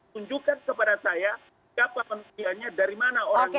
tunjukkan kepada saya siapa manusianya dari mana orangnya